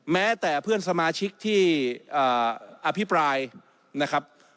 แม้แต่เพื่อนสมาชิกที่อภิปรายนะครับ